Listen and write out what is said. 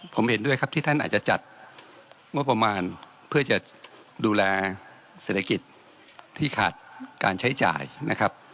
ผมเห็นด้วยครับที่ท่านอาจจะจัดงบประมาณเพื่อจะดูแลเศรษฐกิจที่ขาดการใช้จ่ายนะครับ